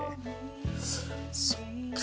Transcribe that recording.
そっか。